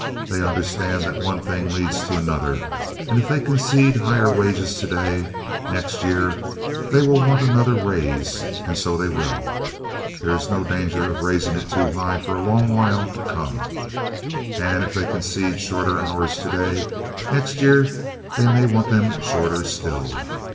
They understand that one thing leads to another, and if they concede higher wages today, next year they will want another raise and so they will. There is no danger of raising it too high for a long while to come. And if they concede shorter hours today, next year they may want them shorter still.